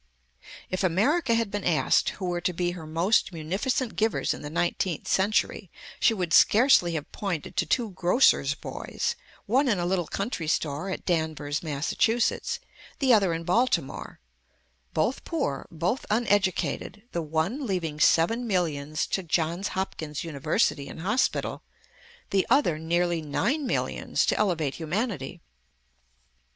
If America had been asked who were to be her most munificent givers in the nineteenth century, she would scarcely have pointed to two grocer's boys, one in a little country store at Danvers, Mass., the other in Baltimore; both poor, both uneducated; the one leaving seven millions to Johns Hopkins University and Hospital, the other nearly nine millions to elevate humanity.